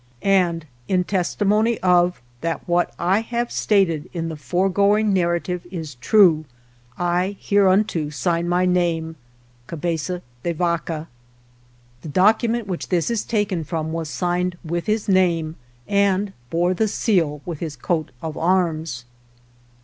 And, in Testimony of, that what I have stated in the foregoing narrative is true, I hereunto sign my name : CABEZA de VACA. The document which this is taken from was signed with his name and bore the seal with his coat of arms.